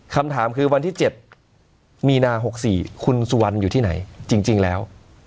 คำถามคือวันที่๗มีนา๖๔คุณสุวรรณอยู่ที่ไหนจริงแล้ว